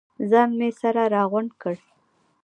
ځان مې سره راغونډ کړ.